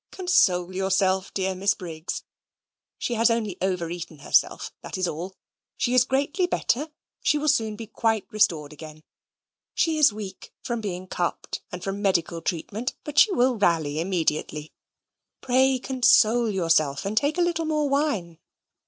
Console yourself, dear Miss Briggs. She has only overeaten herself that is all. She is greatly better. She will soon be quite restored again. She is weak from being cupped and from medical treatment, but she will rally immediately. Pray console yourself, and take a little more wine."